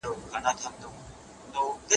زه پرون بوټونه پاک کړل؟!